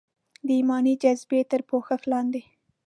د ایماني جذبې تر پوښښ لاندې.